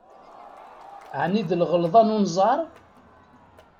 Ɛni d lɣelḍa n unẓar?